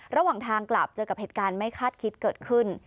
ระหว่างทางกลับเจอกับเหตุการณ์ไม่คาดคิดเกิดขึ้น